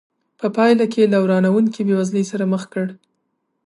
په پایله کې له ورانوونکې بېوزلۍ سره مخ کړ.